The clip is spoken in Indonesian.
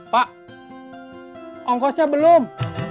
pak ongkosnya belum